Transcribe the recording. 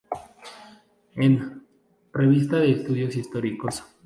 En: Revista de Estudios Históricos.